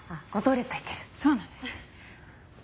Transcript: そうなんですね。